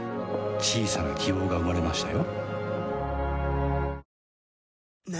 小さな希望が生まれましたよ